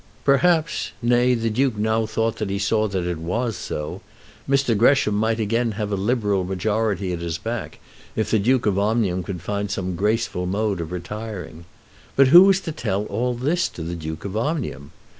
Perhaps, nay, the Duke now thought that he saw that it was so, Mr. Gresham might again have a Liberal majority at his back if the Duke of Omnium could find some graceful mode of retiring. But who was to tell all this to the Duke of Omnium?